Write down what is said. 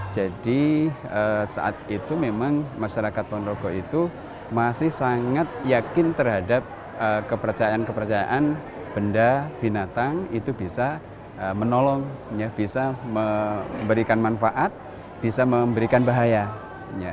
jadi saat itu memang masyarakat ponorogo itu masih sangat yakin terhadap kepercayaan kepercayaan benda binatang itu bisa menolong bisa memberikan manfaat bisa memberikan bahaya